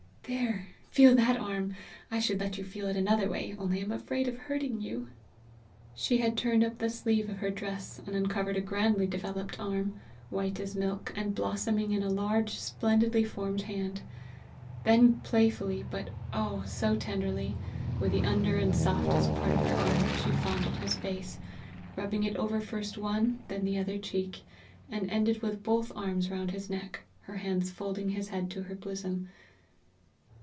There! Feel that arm I should let you feel it another way, only I am afraid of hurting you." She had turned up the sleeve of her dress, and uncovered a grandly developed arm, white as milk, and blossoming in a large, splendidly formed hand. Then playfully, but oh! so tenderly, with the under and softest part of her arm she fondled his face, rubbing it over first one, then the other cheek, and ended with both arms round his neck, her hands folding his head to her bosom.